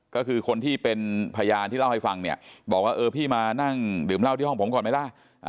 ก็คือคนที่เป็นพยานที่เล่าให้ฟังเนี่ยบอกว่าเออพี่มานั่งดื่มเหล้าที่ห้องผมก่อนไหมล่ะ